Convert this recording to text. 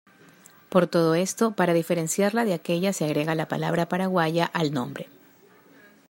Por todo esto, para diferenciarla de aquella se agrega la palabra "paraguaya" al nombre.